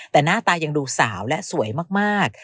แต่หน้าตายังดูสาวและสวยมาก